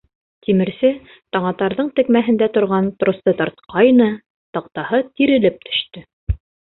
Тимерсе Таңатарҙың текмәһендә торған тросты тартҡайны, таҡтаһы тирелеп төштө.